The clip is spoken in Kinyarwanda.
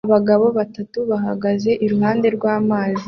Abagabo batatu bahagaze iruhande rw'amazi